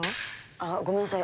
あっごめんなさい